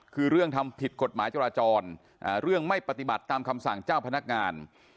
คือเรื่องทำผิดกฎหมายจราจรเรื่องไม่ปฏิบัติตามคำสั่งเจ้าพนักงาน